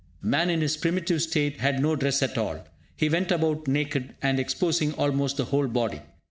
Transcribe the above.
Man in his primitive state had no dress at all; he went about naked, and exposing almost the whole body.